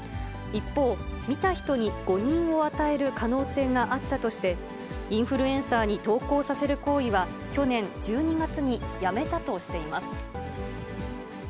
一方、見た人に誤認を与える可能性があったとして、インフルエンサーに投稿させる行為は、去年１２月にやめたとしています。